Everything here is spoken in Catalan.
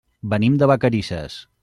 Venim de Vacarisses.